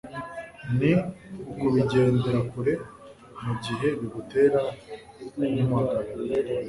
ni ukubigendera kure mu gihe bigutera kumagara.